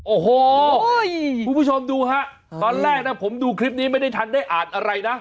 โอ้โหคุณผู้ชมดูฮะตอนแรกนะผมดูคลิปนี้ไม่ได้ทันได้อ่านอะไรนะ